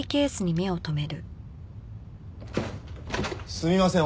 すみません。